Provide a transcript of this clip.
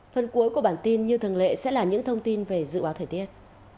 phần cuối của bản tin như thường lệ sẽ là những thông tin về dự báo thời tiết